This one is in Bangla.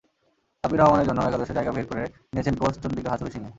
সাব্বির রহমানের জন্যও একাদশে জায়গা বের করে নিয়েছেন কোচ চন্ডিকা হাথুরুসিংহে।